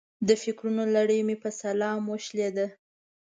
د فکرونو لړۍ مې په سلام وشلېده.